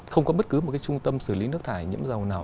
không có bất cứ một cái trung tâm xử lý nước thải nhiễm dầu nào